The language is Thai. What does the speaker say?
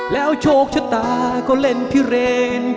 แล้วโชคชะตาก็เล่นพิเรน